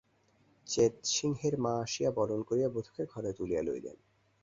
চেৎসিংহের মা আসিয়া বরণ করিয়া বধূকে ঘরে তুলিয়া লইলেন।